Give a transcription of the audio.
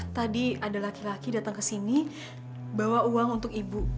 tadi ada laki laki datang ke sini bawa uang untuk ibu